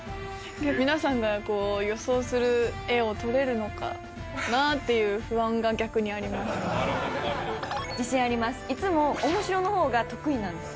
皆さんが予想する絵を撮れるのかなぁ？っていう不安が逆にありま自信あります。